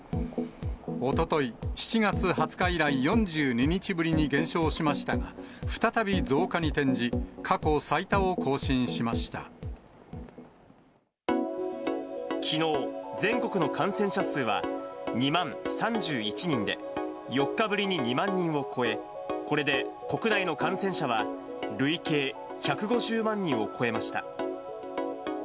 おととい、７月２０日以来４２日ぶりに減少しましたが、再び増加に転じ、きのう、全国の感染者数は２万３１人で、４日ぶりに２万人を超え、これで国内の感染者は累計１５０万人を超えました。